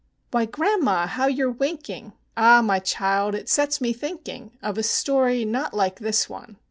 "Why, grandma, how you 're winking!" Ah, my child, it sets me thinking Of a story not like this one.